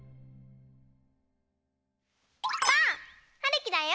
ばあっ！はるきだよ。